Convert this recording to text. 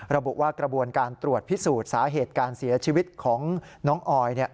ระบุว่ากระบวนการตรวจพิสูจน์สาเหตุการเสียชีวิตของน้องออย